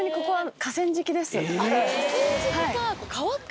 河川敷か。